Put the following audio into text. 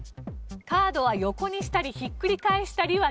カードは横にしたりひっくり返したりはできません。